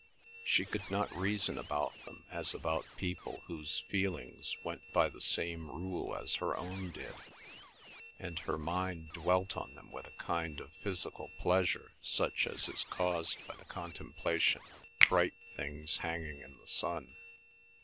She could not reason about them as about people whose feelings went by the same rule as her own did, and her mind dwelt on them with a kind of physical pleasure such as is caused by the contemplation of bright things hanging in the sun.